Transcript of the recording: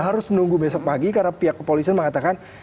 harus menunggu besok pagi karena pihak kepolisian mengatakan